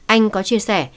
anh có chia sẻ